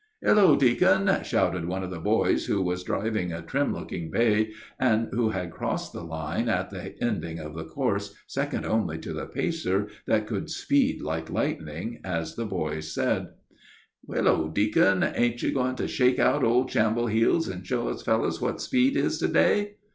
"Hellow, deacon," shouted one of the boys, who was driving a trim looking bay, and who had crossed the line at the ending of the course second only to a pacer that could "speed like a streak of lightning," as the boys said, "Hellow, deacon; ain't you going to shake out old shamble heels, and show us fellows what speed is to day?"